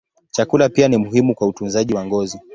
Chakula pia ni muhimu kwa utunzaji wa ngozi.